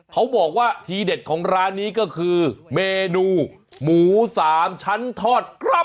เขาบอกว่าทีเด็ดของร้านนี้ก็คือเมนูหมู๓ชั้นทอด